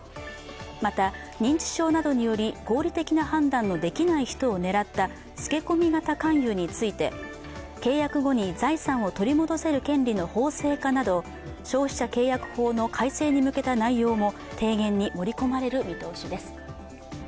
また、認知症などにより合理的な判断のできない人を狙ったつけ込み型勧誘について、契約後に財産を取り戻せる権利の法制化など、消費者契約法の改正に向けた内容も提言に盛り込まれる見通しです。